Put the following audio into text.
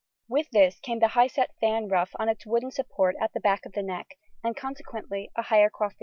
With this came the high set fan ruff on its wooden support at the back of the neck, and consequently a higher coiffure.